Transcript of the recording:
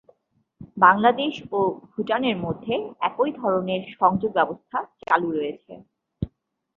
বাংলাদেশ ও ভূটানের মধ্যে একই ধরনের সংযোগ ব্যবস্থা চালু রয়েছে।